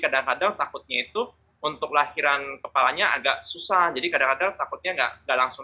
kadang kadang takutnya itu untuk lahiran kepalanya agak susah jadi kadang kadang takutnya enggak enggak langsung